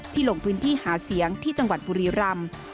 ลงพื้นที่หาเสียงที่จังหวัดบุรีรำ